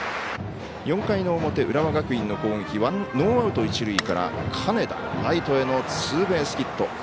４回の表、浦和学院の攻撃ノーアウト、一塁から金田、ライトへのツーベースヒット。